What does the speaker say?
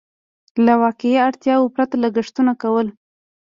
له واقعي اړتياوو پرته لګښتونه کول.